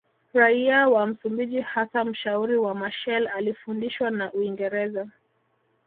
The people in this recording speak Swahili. Raia wa Msumbiji hasa mshauri wa Machel alifundishwa na Uingereza